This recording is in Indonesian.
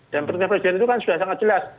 dan perintah presiden itu kan sudah sangat jelas